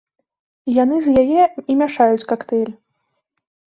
Яны з яе і мяшаюць кактэйль.